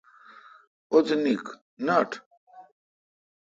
اُتھ نیکھ نٹ۔